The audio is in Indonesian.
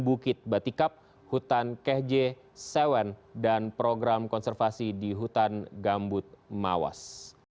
bukit batikap hutan kehje sewen dan program konservasi di hutan gambut mawas